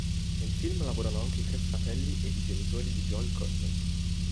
Nel film lavorano anche i tre fratelli ed i genitori di Joel Courtney.